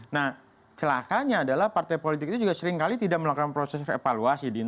nah celakanya adalah partai politik itu juga seringkali tidak melakukan proses evaluasi